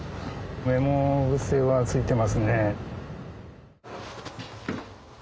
メモ癖はついてますね。